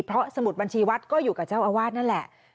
เพราะสมุดบัญชีวัดก็อยู่กับเจ้าอาวาสนั่นแหละ